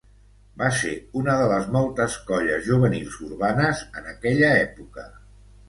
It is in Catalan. Va ser una de les moltes colles juvenils urbanes en aquella època.